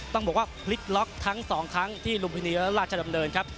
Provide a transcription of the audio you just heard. ต้องบอกว่าพลิกล็อกทั้งสองครั้งที่ลุมพินีและราชดำเนินครับ